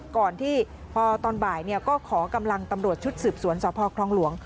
ก่อนที่พอตอนบ่ายก็ขอกำลังตำรวจชุดสืบสวนสพคลองหลวง